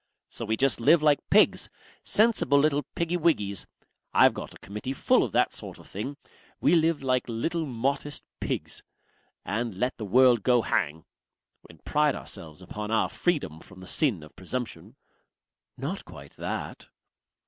"So we just live like pigs. Sensible little piggywiggys. I've got a Committee full of that sort of thing. We live like little modest pigs. And let the world go hang. And pride ourselves upon our freedom from the sin of presumption. "Not quite that!"